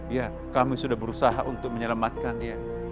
ya kami sudah berusaha untuk menyelamatkan dia